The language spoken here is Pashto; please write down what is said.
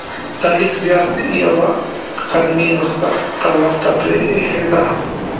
دا لیک زیات یوه قلمي نسخه ته ورته بریښېده.